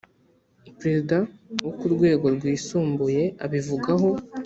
perezida wo ku rwego rwisumbuye abivugaho